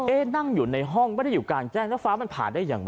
นั่งอยู่ในห้องไม่ได้อยู่กลางแจ้งแล้วฟ้ามันผ่าได้อย่างไร